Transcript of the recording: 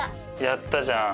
やったじゃん。